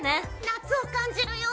夏を感じるよ。